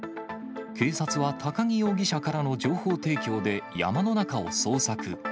警察は高木容疑者からの情報提供で山の中を捜索。